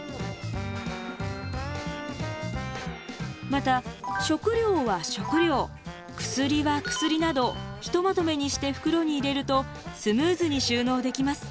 また食料は食料薬は薬などひとまとめにして袋に入れるとスムーズに収納できます。